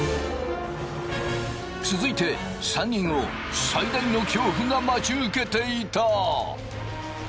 続いて３人を最大の恐怖が待ち受けていた。